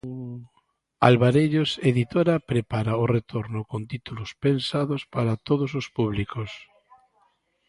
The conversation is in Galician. Alvarellos editora prepara o retorno con títulos pensados para todos os públicos.